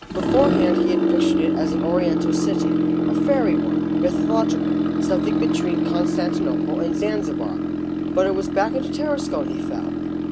Beforehand he had pictured it as an Oriental city a fairy one, mythological, something between Constantinople and Zanzibar; but it was back into Tarascon he fell.